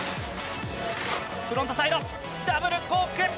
フロントサイドダブルコーク１０８０！